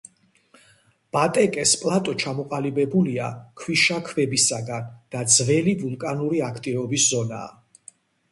ბატეკეს პლატო ჩამოყალიბებულია ქვიშაქვებისაგან და ძველი ვულკანური აქტივობის ზონაა.